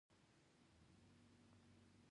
د دې خبرې یو مهم دلیل پوهنځي وو.